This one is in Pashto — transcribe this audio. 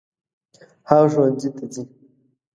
هغه ښوونځي ته ځي.